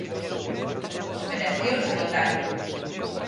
Operación Sanitario.